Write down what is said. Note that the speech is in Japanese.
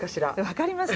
分かります。